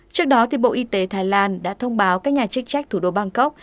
trước đó bộ y tế thái lan đã thông báo các nhà chức trách thủ đô bangkok